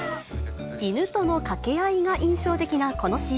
犬との掛け合いが印象的なこのＣＭ。